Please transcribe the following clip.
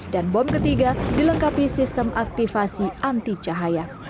dan bom ketiga dilengkapi sistem aktivasi anti cahaya